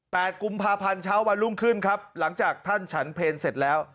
กุมภาพันธ์เช้าวันรุ่งขึ้นครับหลังจากท่านฉันเพลเสร็จแล้ว